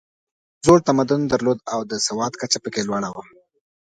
دوی زوړ تمدن درلود او د سواد کچه پکې لوړه وه.